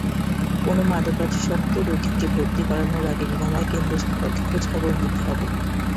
কোনো মাদকাসক্ত রোগীকে ভর্তি করানোর আগে নিরাময়কেন্দ্র সম্পর্কে খোঁজখবর নিতে হবে।